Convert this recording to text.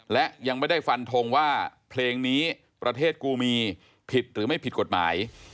และยังไม่ได้ฟันทงว่าเพลงนี้ประเทศกูมีผิดหรือไม่ผิดกฎหมาย